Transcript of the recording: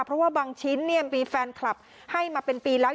เพราะว่าบางชิ้นเนี่ยมีแฟนคลับให้มาเป็นปีแล้ว